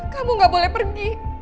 kamu gak boleh pergi